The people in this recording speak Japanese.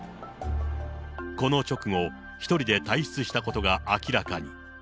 この直後、１人で退室したことが明らかに。